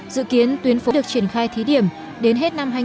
dự kiến tuyến phố được triển khai thí điểm đến hết năm hai nghìn một mươi tám